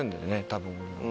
多分。